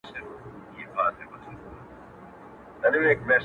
o اور د خپلي لمني بلېږي!